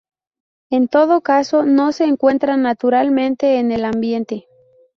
En todo caso, no se encuentra naturalmente en el ambiente.